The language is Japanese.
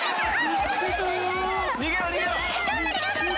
頑張れ頑張れ！